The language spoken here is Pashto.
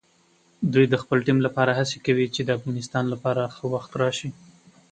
دوی د خپل ټیم لپاره هڅې کوي چې د افغانستان لپاره ښه وخت راشي.